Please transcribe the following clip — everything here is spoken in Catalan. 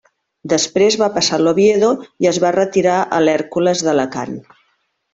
Després va passar a l'Oviedo i es va retirar a l'Hèrcules d'Alacant.